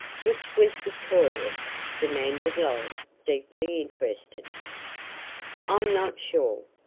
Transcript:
"Which was victorious?" demanded Lorry, deeply interested. "I'm not sure.